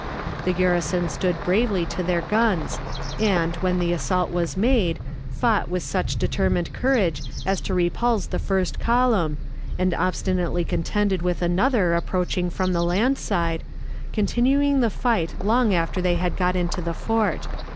The garrison stood bravely to their guns, and, when the assault was made, fought with such determined courage as to repulse the first column, and obstinately contended with another approaching from the land side, continuing the fight long after they had got into the fort.